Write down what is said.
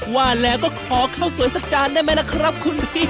ว่าแล้วก็ขอข้าวสวยสักจานได้ไหมล่ะครับคุณพี่